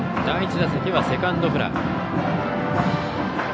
第１打席はセカンドフライ。